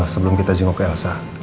sebelum kita jengkok ke elsa